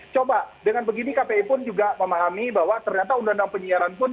coba dengan begini kpi pun juga memahami bahwa ternyata undang undang penyiaran pun